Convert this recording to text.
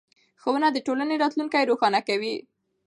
ښوونه د ټولنې راتلونکی روښانه کوي